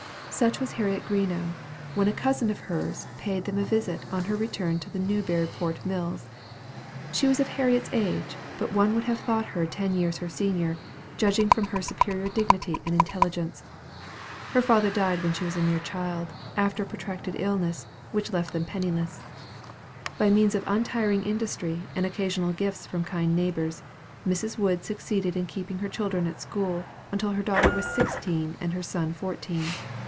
Such was Harriet Greenough, when a cousin of hers paid them a visit on her return to the Newburyport mills. She was of Harriet's age; but one would have thought her ten years her senior, judging from her superior dignity and intelligence. Her father died when she was a mere child, after a protracted illness, which left them penniless. By means of untiring industry, and occasional gifts from her kind neighbors, Mrs. Wood succeeded in keeping her children at school, until her daughter was sixteen and her son fourteen.